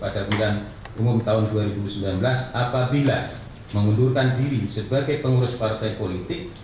dalam dua ribu sembilan belas apabila mengundurkan diri sebagai pengurus partai politik